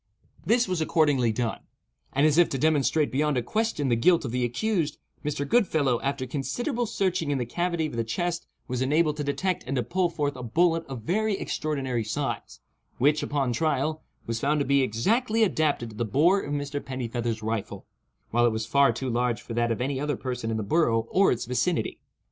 This was accordingly done; and, as if to demonstrate beyond a question the guilt of the accused, Mr. Goodfellow, after considerable searching in the cavity of the chest was enabled to detect and to pull forth a bullet of very extraordinary size, which, upon trial, was found to be exactly adapted to the bore of Mr. Pennifeather's rifle, while it was far too large for that of any other person in the borough or its vicinity.